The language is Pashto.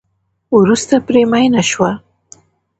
وروسته پرې میېنه شوه.